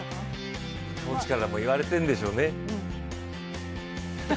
コーチからも言われているんでしょうね。